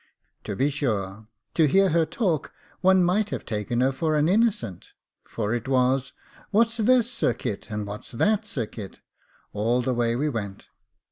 To be sure, to hear her talk one might have taken her for an innocent, for it was, 'What's this, Sir Kit? and what's that, Sir Kit?' all the way we went.